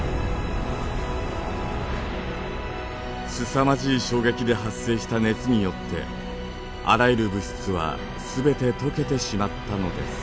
すさまじい衝撃で発生した熱によってあらゆる物質は全て溶けてしまったのです。